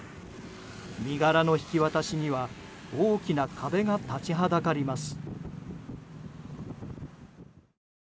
身柄の引き渡しには大きな壁が立ちはだかります。